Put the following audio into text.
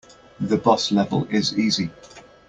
The boss level is easy.